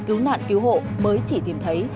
cứu nạn cứu hộ mới chỉ tìm thấy